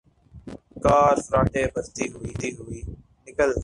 کار فراٹے بھرتی ہوئے نکل گئی